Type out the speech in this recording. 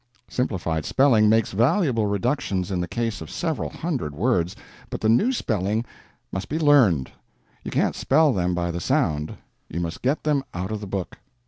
Simplified Spelling makes valuable reductions in the case of several hundred words, but the new spelling must be learned. You can't spell them by the sound; you must get them out of the book.